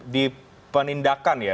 di penindakan ya